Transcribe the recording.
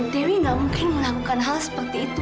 dewi tidak mungkin melakukan hal seperti itu